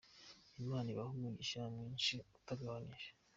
Imana ibahe umugisha mwishi utagabanyije.